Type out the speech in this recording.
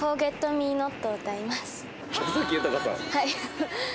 はい。